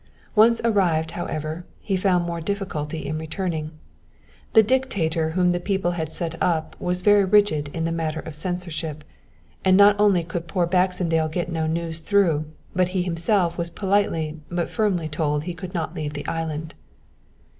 Once arrived, however, he found more difficulty in returning. The Dictator whom the people had set up was very rigid in the matter of censorship, and not only could poor Baxendale get no news through, but he himself was politely but firmly told he could not leave the island.